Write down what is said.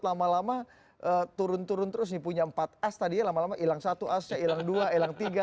lama lama turun turun terus punya empat as tadinya lama lama hilang satu asnya hilang dua hilang tiga